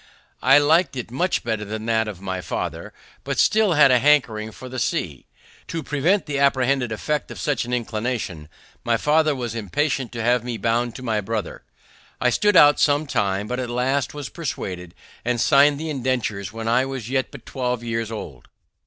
I liked it much better than that of my father, but still had a hankering for the sea. To prevent the apprehended effect of such an inclination, my father was impatient to have me bound to my brother. I stood out some time, but at last was persuaded, and signed the indentures when I was yet but twelve years old.